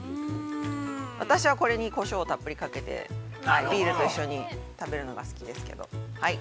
私はこれにこしょうをたっぷりかけて、ビールと一緒に食べるのが好きですけど、はい。